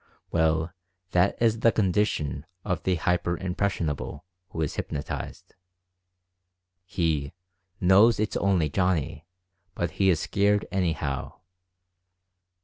Well, that is the condition of the li hyper impressionable" who is hypnotized. He "knows it's only Johnny, but he is scared anyhow!"